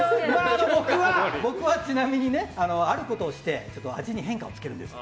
僕は、ちなみにあることをして味に変化をつけるんです。